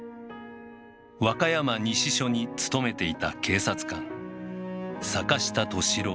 和歌山西署に勤めていた警察官坂下敏郎